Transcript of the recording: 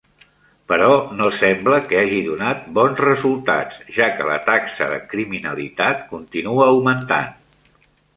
Però no sembla que hagi donat bons resultats ja que la taxa de criminalitat continua augmentant.